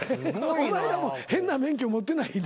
お前らも変な免許持ってない。